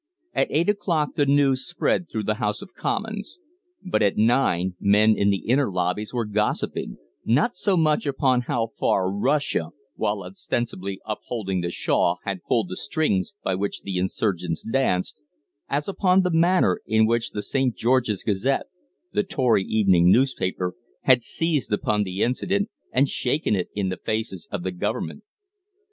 At eight o'clock the news spread through the House of Commons; but at nine men in the inner lobbies were gossiping, not so much upon how far Russia, while ostensibly upholding the Shah, had pulled the strings by which the insurgents danced, as upon the manner in which the 'St. George's Gazette', the Tory evening newspaper, had seized upon the incident and shaken it in the faces of the government.